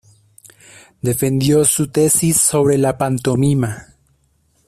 Defendió su tesis sobre el pantomima.